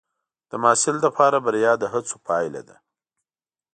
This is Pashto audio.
د محصل لپاره بریا د هڅو پایله ده.